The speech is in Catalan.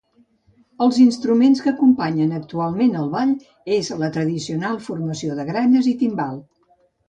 Els instruments que acompanyen actualment el Ball és la tradicional formació de gralles i timbal.